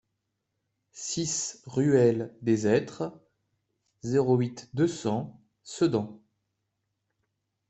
six ruelle des Hêtres, zéro huit, deux cents Sedan